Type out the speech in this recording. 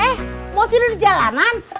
eh mau tidur di jalanan